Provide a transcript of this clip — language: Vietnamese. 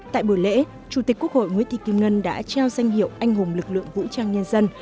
tại buổi lễ chủ tịch quốc hội nguyễn thị kim ngân đã trao danh hiệu anh hùng lực lượng vũ trang nhân dân